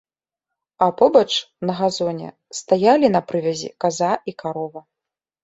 А побач, на газоне, стаялі на прывязі каза і карова.